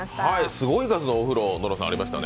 すごい数のお風呂がありましたね。